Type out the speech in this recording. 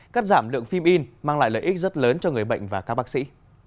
cắt giảm lượng phim in mang lại lợi ích rất lớn cho người bệnh và các bác sĩ